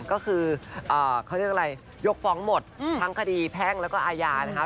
ก็คือเขาเรียกอะไรยกฟ้องหมดทั้งคดีแพ่งแล้วก็อาญานะคะ